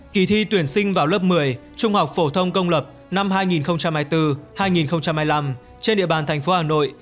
kỳ thi tuyển sinh vào lớp một mươi trung học phổ thông công lập năm hai nghìn hai mươi bốn hai nghìn hai mươi năm trên địa bàn thành phố hà nội